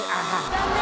残念。